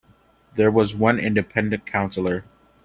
There was one independent councillor.